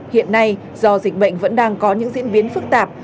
hiện nay do dịch bệnh vẫn đang có những diễn biến phức tạp